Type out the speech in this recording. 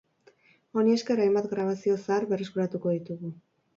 Honi esker, hainbat grabazio zahar berreskuratuko ditugu.